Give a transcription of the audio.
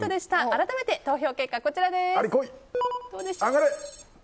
改めて、投票結果こちらです。